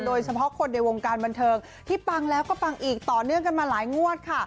โดยเฉพาะคนในวงการบันเทิงที่ปังแล้วก็ปังอีกต่อเนื่องกันมาหลายงวดค่ะ